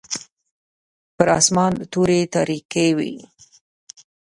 پر اسمان توري تاریکې وې.